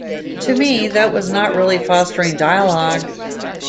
To me, that was not really fostering dialogue.